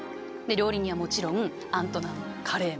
料理人はもちろんアントナン・カレーム。